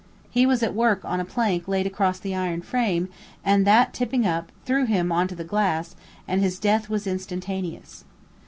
He was at work on a plank laid across the iron frame, and that tipping up, threw him on to the glass, and his death was instantaneous.